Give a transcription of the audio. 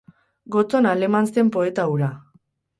Gotzon Aleman zen poeta hura.